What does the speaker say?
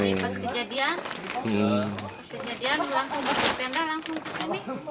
pas kejadian langsung masuk ke tenda langsung ke sini